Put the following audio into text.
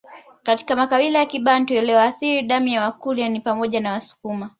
Katika makabila ya Kibantu yaliyoathiri damu ya Wakurya ni pamoja na Wasukuma